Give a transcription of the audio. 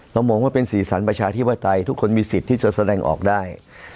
มองว่าเป็นสีสันประชาธิปไตยทุกคนมีสิทธิ์ที่จะแสดงออกได้